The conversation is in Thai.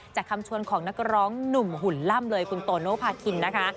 คำชวนของนักร้องหนุ่มหุ่นล่ำเลยคุณโตโนภาคินนะคะ